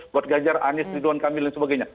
buat ganjar anies ridwan kamil dan sebagainya